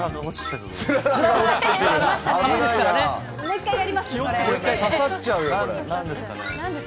もう一回やります？